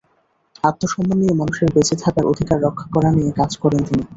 আত্মসম্মান নিয়ে মানুষের বেঁচে থাকার অধিকার রক্ষা করা নিয়ে কাজ করেন তিনি।